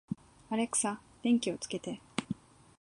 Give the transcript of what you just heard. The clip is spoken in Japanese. アレクサ、電気をつけて